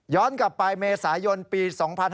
ย้อนกลับไปเมษายนปี๒๕๑๘